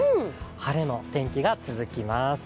晴れの天気が続きます。